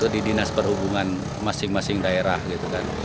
di dinas perhubungan masing masing daerah gitu kan